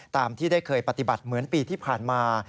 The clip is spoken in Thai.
ตามที่ได้เคยปฏิบัติเหมือนปีที่ผ่านมา